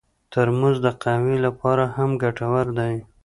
ترموز د قهوې لپاره هم ګټور دی.